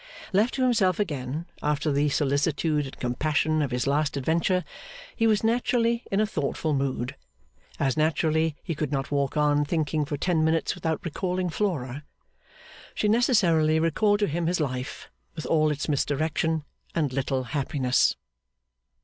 Left to himself again, after the solicitude and compassion of his last adventure, he was naturally in a thoughtful mood. As naturally, he could not walk on thinking for ten minutes without recalling Flora. She necessarily recalled to him his life, with all its misdirection and little happiness.